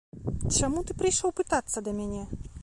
Чаму ты прыйшоў пытацца да мяне?